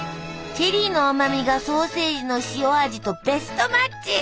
チェリーの甘みがソーセージの塩味とベストマッチ。